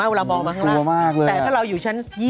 เอาข้ามหน่อย